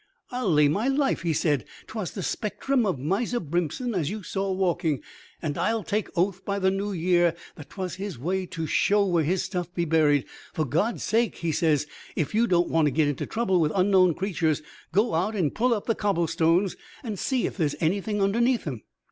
"I'll lay my life," he said, "'twas the spectrum of Miser Brimpson as you saw walking; and I'll take oath by the New Year that 'twas his way to show where his stuff be buried. For God's sake," he says, "if you don't want to get into trouble with unknown creatures, go out and pull up the cobblestones, and see if there's anything underneath 'em."